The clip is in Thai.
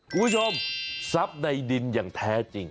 คุณผู้ชมทรัพย์ในดินอย่างแท้จริง